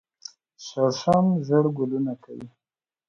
شړشم ژیړ ګلونه کوي